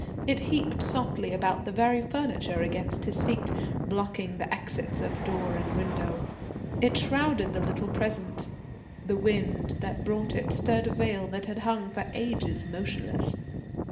It heaped softly about the very furniture against his feet, blocking the exits of door and window. It shrouded the little present. The wind that brought it stirred a veil that had hung for ages motionless....